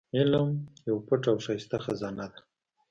علم يوه پټه او ښايسته خزانه ده.